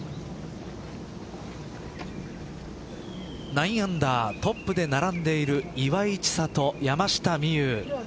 ９アンダートップで並んでいる岩井千怜、山下美夢有。